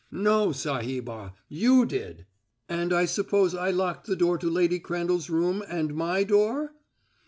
"No, Sahibah; you did." "And I suppose I locked the door to Lady Crandall's room and my door?"